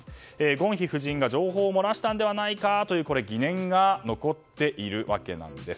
ゴンヒ夫人が情報を漏らしたんではないかという疑念が残っているわけなんです。